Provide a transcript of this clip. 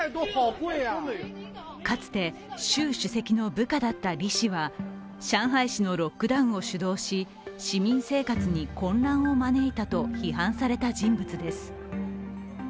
かつて習主席の部下だった李氏は上海市のロックダウンを主導し市民生活に混乱を招いたと批判された人物です。